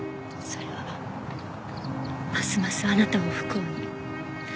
それはますますあなたを不幸に。